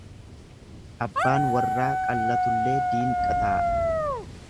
Abbaan warraa qallatullee diinqa taa'a.